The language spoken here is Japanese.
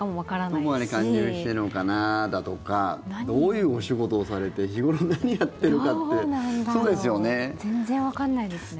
どこまで介入しているのかなだとかどういうお仕事をされて日頃、何やってるかって全然わからないですね。